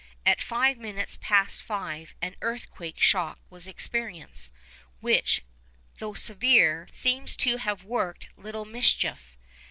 At five minutes past five an earthquake shock was experienced, which, though severe, seems to have worked little mischief.